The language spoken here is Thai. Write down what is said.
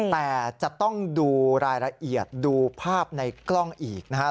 แต่จะต้องดูรายละเอียดดูภาพในกล้องอีกนะครับ